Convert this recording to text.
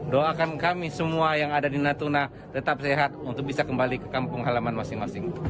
doakan kami semua yang ada di natuna tetap sehat untuk bisa kembali ke kampung halaman masing masing